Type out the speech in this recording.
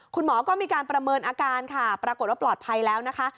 คุณหมอก็มีการประเมินอาการค่ะปรากฏว่าปลอดภัยแล้วนะคะ